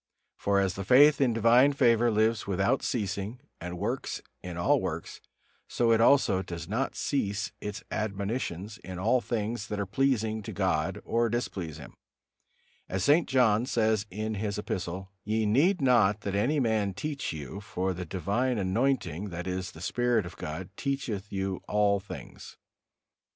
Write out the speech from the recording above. For as the faith in divine favor lives without ceasing and works in all works, so it also does not cease its admonitions in all things that are pleasing to God or displease Him; as St. John says in his Epistle: "Ye need not that any man teach you: for the divine anointing, that is, the Spirit of God, teacheth you of all things."